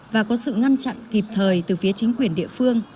và có sự ngăn chặn kịp thời từ phía chính quyền địa phương